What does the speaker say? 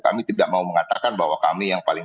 kami tidak mau mengatakan bahwa kami yang paling